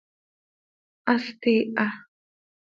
Hast iha.